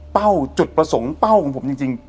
เป้าจุดประสงค์เป้าของผมจริง